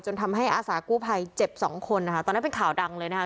ทำให้อาสากู้ภัยเจ็บสองคนนะคะตอนนั้นเป็นข่าวดังเลยนะคะ